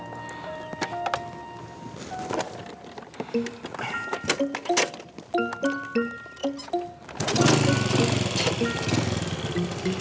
akemi mau balekin motor